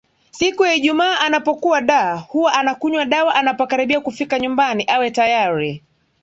Siku ya ijumaa anapokuwa Dar huwa anakunywa dawa anapokaribia kufika nyumbani awe tayari